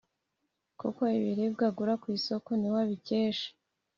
kuko ibiribwa agura ku isoko ni we abikesha.